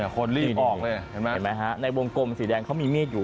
คนรีบออกเลยเห็นไหมฮะในวงกลมสีแดงเขามีมีดอยู่